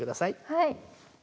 はい。